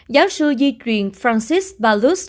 giáo sư di truyền francis valdez